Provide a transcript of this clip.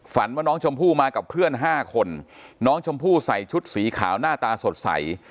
ว่าน้องชมพู่มากับเพื่อน๕คนน้องชมพู่ใส่ชุดสีขาวหน้าตาสดใส